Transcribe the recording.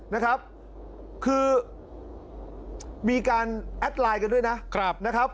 นะครับคือมีการแอดไลน์กันด้วยนะครับ